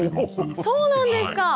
そうなんですか。